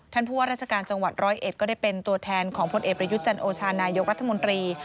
ผู้ว่าราชการจังหวัดร้อยเอ็ดก็ได้เป็นตัวแทนของพลเอกประยุทธ์จันโอชานายกรัฐมนตรี